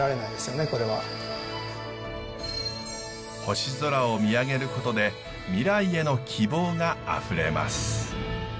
星空を見上げることで未来への希望があふれます。